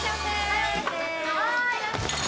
はい！